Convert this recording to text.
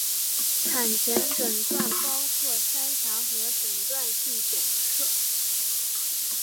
产前诊断包括筛查和诊断性检测。